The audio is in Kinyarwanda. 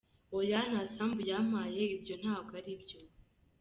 B: Oya nta sambu yampaye, ibyo ntabwo ari byo.